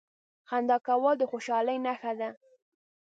• خندا کول د خوشالۍ نښه ده.